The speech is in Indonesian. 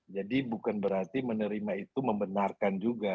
jadi bukan berarti menerima itu membenarkan juga